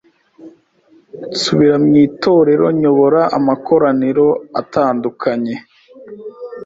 nsubira mu itorero nyobora amakorar atandukanye